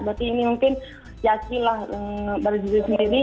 berarti ini mungkin yassi lah dari diri sendiri